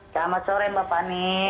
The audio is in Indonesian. selamat sore mbak pani